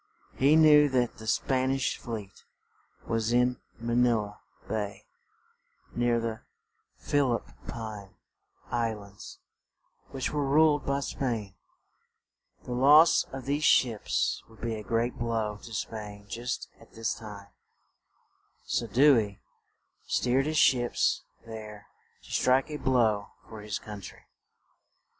He knew that the Span ish fleet was in Ma ni la Bay, near the Phil ip pine Is lands, which were ruled by Spain; the loss of these ships would be a great blow to Spain just at this time; so Dew ey steered his ships there to strike a blow for his coun try.